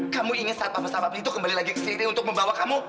kamu ingin saat panggilan itu kembali lagi ke sini untuk membawa kamu